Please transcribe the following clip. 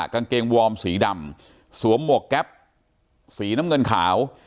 กางเกงวอร์มสีดำสวมหมวกแก๊ปสีน้ำเงินขาว